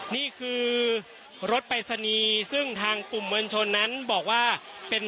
นี่คือรถปรายศนีย์ซึ่งทางกลุ่มมวลชนนั้นบอกว่าเป็น